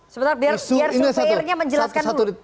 sebentar biar supairnya menjelaskan dulu